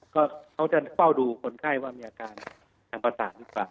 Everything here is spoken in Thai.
ก็เขาจะเป้าดูคนไข้ว่ามีอาการทางประสานด้วยก่อน